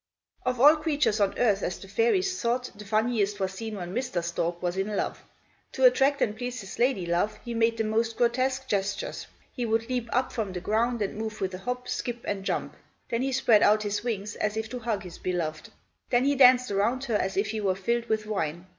Of all creatures on earth, as the fairies thought, the funniest was seen when Mr. Stork was in love. To attract and please his lady love, he made the most grotesque gestures. He would leap up from the ground and move with a hop, skip, and jump. Then he spread out his wings, as if to hug his beloved. Then he danced around her, as if he were filled with wine.